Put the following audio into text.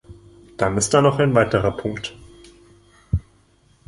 Dann ist da noch ein weiterer Punkt.